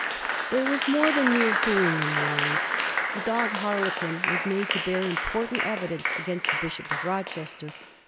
There was more than mere fooling in the lines. The dog Harlequin was made to bear important evi dence against the Bishop of Rochester.